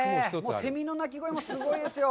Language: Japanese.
セミの鳴き声もすごいですよ。